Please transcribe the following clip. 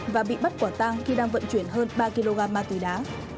và bị bắt quả tang khi đang vận chuyển hơn ba kg ma túy đá